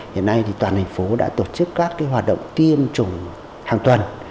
hiện nay toàn thành phố đã tổ chức các hoạt động tiêm chủng hàng tuần